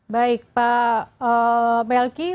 baik pak melky